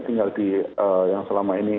tinggal di yang selama ini